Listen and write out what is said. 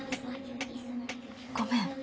ごめん